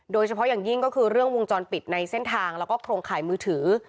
โดยเฉพาะอย่างยิ่งก็คือเรื่องวงจรปิดในเส้นทางแล้วก็โครงข่ายมือถือ